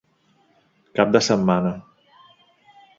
Cap de setmana.